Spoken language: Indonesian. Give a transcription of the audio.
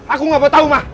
aku gak mau tau ma